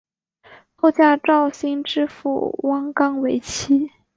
后嫁绍兴知府汪纲为妻。